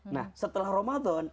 nah setelah ramadan